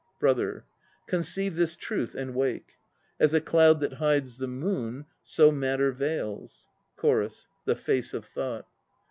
BROTHER. Conceive this truth and wake! As a cloud that hides the moon, so Matter veils CHORUS. The face of Thought.